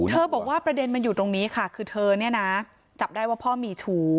บอกว่าประเด็นมันอยู่ตรงนี้ค่ะคือเธอเนี่ยนะจับได้ว่าพ่อมีชู้